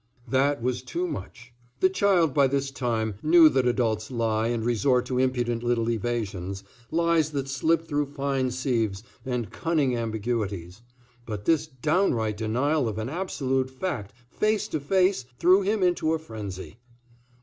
That was too much. The child, by this time, knew that adults lie and resort to impudent little evasions, lies that slip through fine sieves, and cunning ambiguities. But this downright denial of an absolute fact, face to face, threw him into a frenzy.